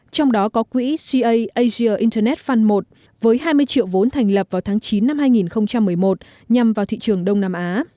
trong đó có quỹ ca asia internet fund một với hai mươi triệu vốn thành lập vào tháng chín năm hai nghìn một mươi một nhằm vào thị trường đông nam á